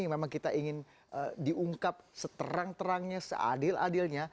yang memang kita ingin diungkap seterang terangnya seadil adilnya